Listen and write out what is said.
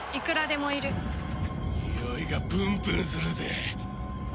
においがプンプンするぜ。